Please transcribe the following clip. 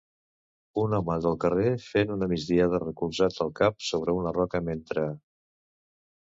Un home del carrer fent una migdiada recolzant el cap sobre una roca. Mentre